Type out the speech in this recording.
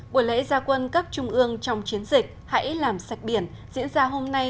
buổi lễ gia quân cấp trung ương trong chiến dịch hãy làm sạch biển diễn ra hôm nay